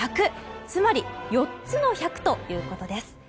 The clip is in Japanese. つまり、４つの１００ということです。